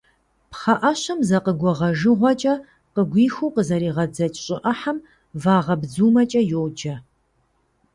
Пхъэӏэщэм зэ къыгуэгъэжыгъуэкӏэ къыгуихыу къызэригъэдзэкӏ щӏы ӏыхьэм вагъэбдзумэкӏэ йоджэ.